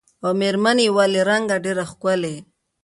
او مېر من یې وه له رنګه ډېره ښکلې